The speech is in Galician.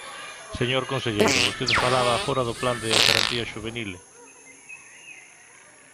Señor conselleiro, vostede falaba agora do Plan de garantía xuvenil.